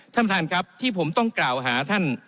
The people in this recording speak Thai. ท่านประธานครับที่ผมต้องกล่าวหาท่าน